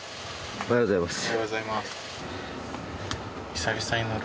おはようございます。